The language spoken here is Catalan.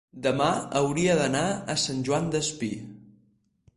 demà hauria d'anar a Sant Joan Despí.